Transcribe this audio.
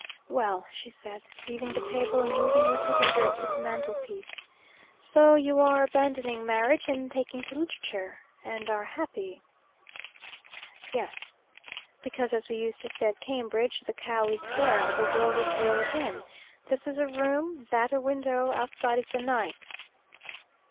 "Well," she said, leaving the table and moving with her dessert to the mantelpiece, "so you are abandoning marriage and taking to literature. And are happy." "Yes." "Because, as we used to say at Cambridge, the cow is there. The world is real again. This is a room, that a window, outside is the night."